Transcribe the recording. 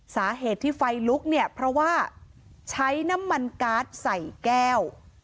สาเหตุที่ไฟลุกเนี่ยเพราะว่าใช้น้ำมันการ์ดใส่แก้ว